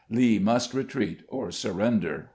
Lee must retreat or surrender."